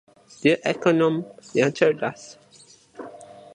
Dia ekonom yang cerdas.